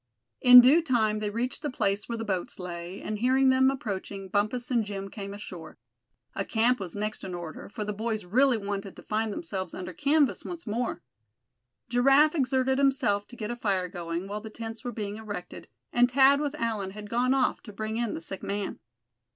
In due time they reached the place where the boats lay, and hearing them approaching, Bumpus and Jim came ashore. A camp was next in order, for the boys really wanted to find themselves under canvas once more. Giraffe exerted himself to get a fire going, while the tents were being erected, and Thad with Allan had gone off to bring in the sick man.